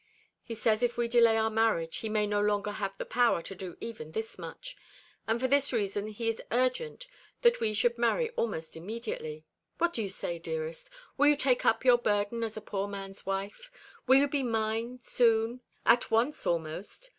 He says if we delay our marriage he may no longer have the power to do even this much; and for this reason he is urgent that we should marry almost immediately. What do you say, dearest? Will you take up your burden as a poor man's wife? Will you be mine soon; at once almost?